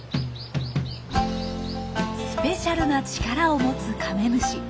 スペシャルな力を持つカメムシ。